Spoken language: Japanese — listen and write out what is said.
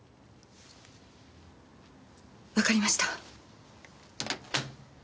わかりました。